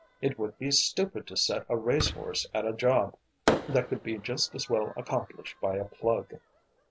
It would be stupid to set a race horse at a job that could be just as well accomplished by a plug.